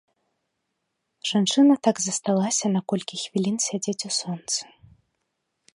Жанчына так засталася на колькі хвілін сядзець у сонцы.